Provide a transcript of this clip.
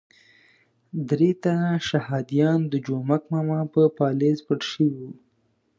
درې تنه شهادیان د جومک ماما په پالیز پټ شوي وو.